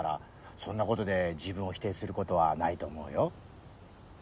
そんなことで自分を否定することはないと思うよ。